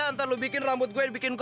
ntar lo bikin rambut gue dibikin kogon